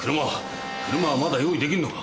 車はまだ用意できんのか。